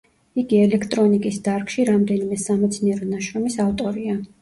იგი ელექტრონიკის დარგში რამდენიმე სამეცნიერო ნაშრომის ავტორია.